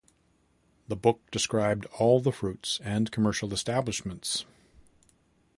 The book described all the fruits and commercial establishments.